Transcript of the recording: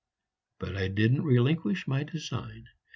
But I didn't relinquish my design.